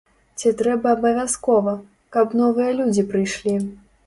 Ці трэба абавязкова, каб новыя людзі прыйшлі?